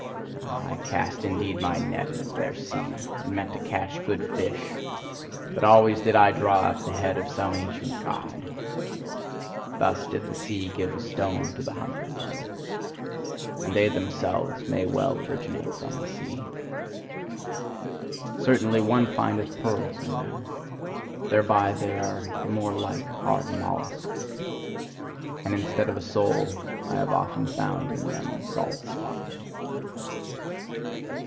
Ah, I cast indeed my net into their sea, and meant to catch good fish; but always did I draw up the head of some ancient God. Thus did the sea give a stone to the hungry one. And they themselves may well originate from the sea. Certainly, one findeth pearls in them: thereby they are the more like hard molluscs. And instead of a soul, I have often found in them salt slime.